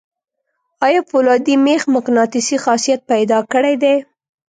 آیا فولادي میخ مقناطیسي خاصیت پیدا کړی دی؟